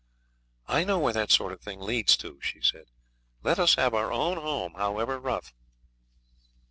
'I know where that sort of thing leads to,' she said; 'let us have our own home, however rough.'